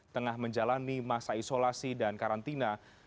tengah menjalani masa isolasi dan karantina